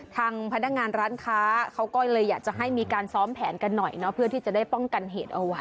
ทางพนักงานร้านค้าเขาก็เลยอยากจะให้มีการซ้อมแผนกันหน่อยเนาะเพื่อที่จะได้ป้องกันเหตุเอาไว้